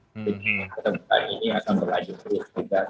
jadi peta peta ini akan berlanjut terus